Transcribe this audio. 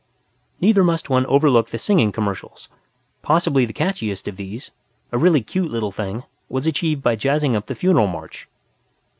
Neither must one overlook the singing commercials. Possibly the catchiest of these, a really cute little thing, was achieved by jazzing up the Funeral March.